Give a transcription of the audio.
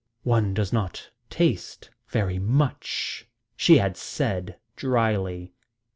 "One does not taste very much," she had said drily.